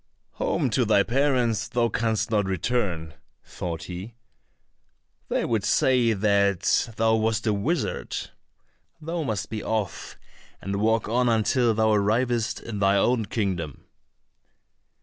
"Home to thy parents thou canst not return," thought he, "they would say that thou wast a wizard; thou must be off, and walk on until thou arrivest in thine own kingdom."